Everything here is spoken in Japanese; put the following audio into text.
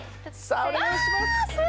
さあお願いします。